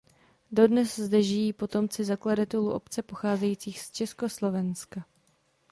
Dodnes zde žijí potomci zakladatelů obce pocházejících z Československa.